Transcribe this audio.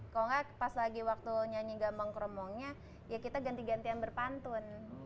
kalau enggak pas lagi waktu nyanyi gambang kromongnya ya kita ganti gantian berpantun